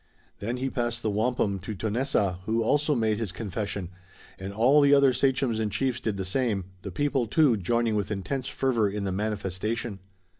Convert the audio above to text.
Then he passed the wampum to Tonessaah, who also made his confession, and all the other sachems and chiefs did the same, the people, too, joining with intense fervor in the manifestation.